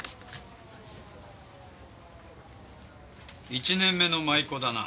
１年目の舞妓だな。